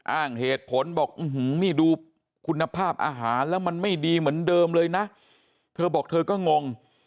อ้างเหตุผลบอกนี่ดูคุณภาพอาหารแล้วมันไม่ดีเหมือนเดิมเลยนะเธอบอกเธอก็งง